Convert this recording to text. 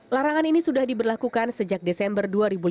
larangan ini sudah diberlakukan sejak desember dua ribu lima belas